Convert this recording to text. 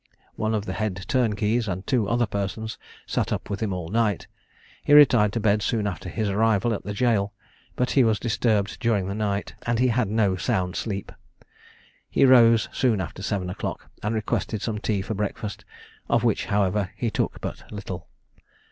One of the head turnkeys, and two other persons, sat up with him all night. He retired to bed soon after his arrival at the jail; but he was disturbed during the night, and had no sound sleep. He rose soon after seven o'clock, and requested some tea for breakfast, of which, however, he took but little.